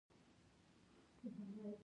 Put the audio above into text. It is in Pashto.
دا حجرې په ډیزاین او شکل کې سره ورته دي.